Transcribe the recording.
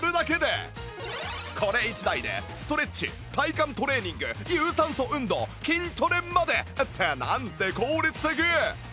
これ１台でストレッチ体幹トレーニング有酸素運動筋トレまでってなんて効率的！